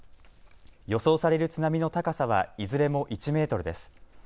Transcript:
予想される津波の高さはいずれも１メートルです。